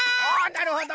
なるほど！